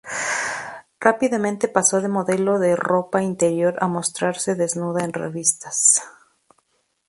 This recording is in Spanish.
Rápidamente pasó de modelo de ropa interior a mostrarse desnuda en revistas.